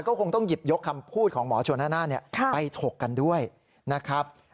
ก็คงต้องหยิบยกคำพูดของหมอชนน่านไปถกกันด้วยนะครับ